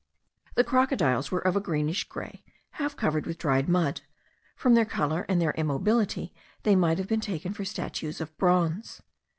The crocodiles were of a greenish grey, half covered with dried mud; from their colour and immobility they might have been taken for statues of bronze.